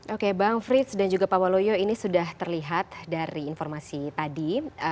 oke bang frits dan juga pak waloyo ini sudah terlihat dari informasi tadi